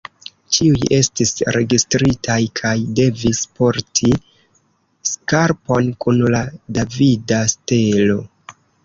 Ĉiuj estis registritaj kaj devis porti skarpon kun la davida stelo.